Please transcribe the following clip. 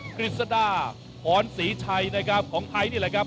คริสเจ้าอร์นศรีชัยนะครับของไทยนี่แหละครับ